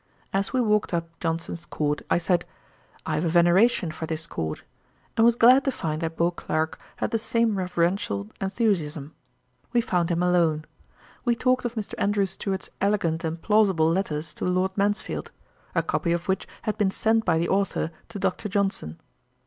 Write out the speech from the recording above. As we walked up Johnson's court, I said, 'I have a veneration for this court;' and was glad to find that Beauclerk had the same reverential enthusiasm. We found him alone. We talked of Mr. Andrew Stuart's elegant and plausible Letters to Lord Mansfield: a copy of which had been sent by the authour to Dr. Johnson.